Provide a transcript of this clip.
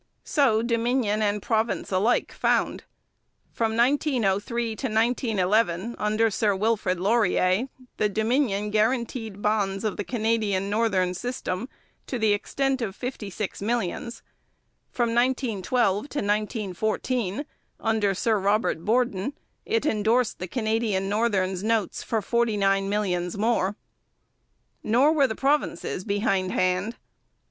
So Dominion and province alike found. From 1903 to 1911, under Sir Wilfrid Laurier, the Dominion guaranteed bonds of the Canadian Northern system to the extent of fifty six millions; from 1912 to 1914, under Sir Robert Borden, it endorsed the Canadian Northern's notes for forty nine millions more. Nor were the provinces behindhand.